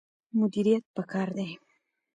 مدیریت پکار دی